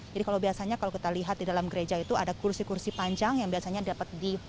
jadi kalau biasanya kalau kita lihat di dalam gereja itu ada kursi kursi panjang yang biasanya dapat di